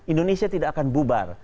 indonesia tidak akan bubar